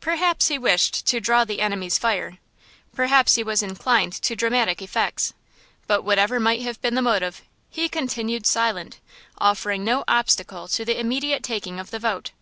Perhaps he wished to "draw the enemy's fire," perhaps he was inclined to dramatic effects; but whatever might have been the motive, he continued silent, offering no obstacle to the immediate taking of the vote.